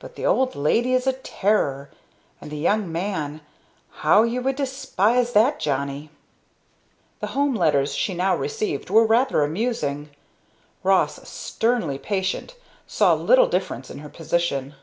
But the old lady is a terror, and the young man how you would despise that Johnny!" The home letters she now received were rather amusing. Ross, sternly patient, saw little difference in her position.